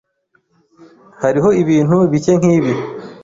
Hariho ibintu bike nkibi.